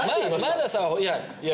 まださいや